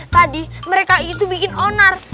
tadi mereka itu bikin onar